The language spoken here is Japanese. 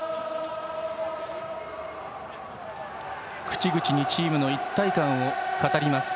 口々にチームの一体感を語ります